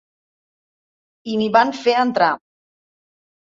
I m’hi van fer entrar.